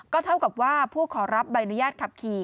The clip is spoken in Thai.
เท่ากับว่าผู้ขอรับใบอนุญาตขับขี่